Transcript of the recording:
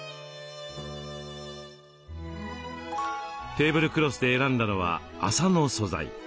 テーブルクロスで選んだのは麻の素材。